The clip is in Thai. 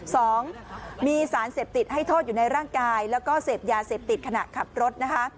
สองมีสารเสพติดให้โทษอยู่ในร่างกายแล้วก็เสพยาเสพติดขณะขับรถนะคะ